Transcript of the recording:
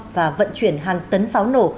và vận chuyển hàng tấn pháo nổ